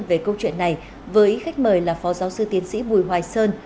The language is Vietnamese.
về câu chuyện này với khách mời là phó giáo sư tiến sĩ bùi hoài sơn